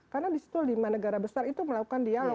karena di situ lima negara besar itu melakukan dialog